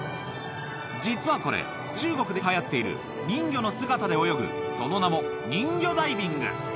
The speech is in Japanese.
実はこれ、中国ではやっている人魚姿で泳ぐ、その名も人魚ダイビング。